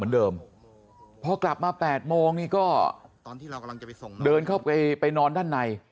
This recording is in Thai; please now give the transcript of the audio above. เดินเข้าไปนอนด้านไหน